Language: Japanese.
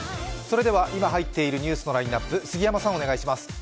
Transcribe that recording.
今入っているニュースのラインナップ、杉山さん、お願いします。